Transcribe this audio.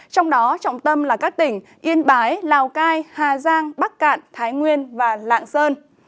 trong đó trọng tâm là các tỉnh yên bái lào cai hà giang bắc cạn thái nguyên và lạng sơn